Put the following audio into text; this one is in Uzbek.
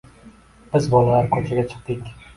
Biz bolalar ko‘chaga chiqdik.